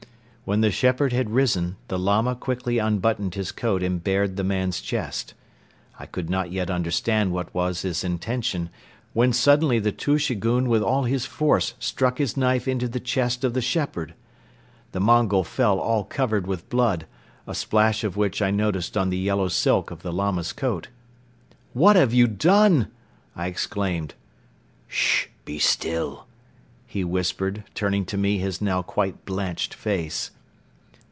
When the shepherd had risen, the Lama quickly unbuttoned his coat and bared the man's chest. I could not yet understand what was his intention, when suddenly the Tushegoun with all his force struck his knife into the chest of the shepherd. The Mongol fell all covered with blood, a splash of which I noticed on the yellow silk of the Lama's coat. "What have you done?" I exclaimed. "Sh! Be still," he whispered turning to me his now quite blanched face.